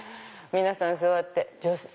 皆さん座って。